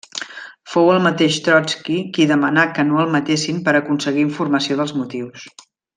Fou el mateix Trotski qui demanà que no el matessin per aconseguir informació dels motius.